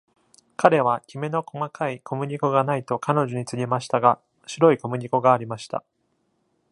彼はきめの細かい小麦粉がないと彼女に告げましたが、白い小麦粉がありました。